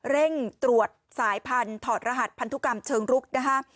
เร่งตรวจสายพันธุ์ถอดรหัสพันธุกรรมเชิงรุกนะคะ